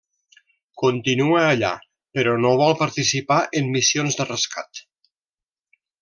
Continua allà, però no vol participar en missions de rescat.